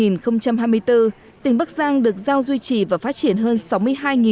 năm hai nghìn hai mươi bốn tỉnh bắc giang được giao duy trì và phát triển hơn sáu mươi hai